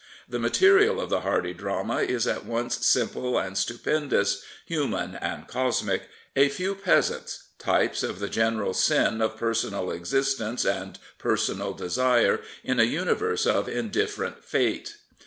The material of the Hardy drama is at once simple and stupendous, human and cosmic — a few peasants, types of the general sin of personal existence and personal desire in a universe of indifferent fate.